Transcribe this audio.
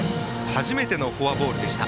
初めてのフォアボールでした。